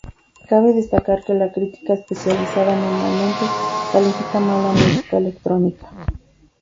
Cabe destacar que la crítica especializada normalmente califica mal la música electrónica.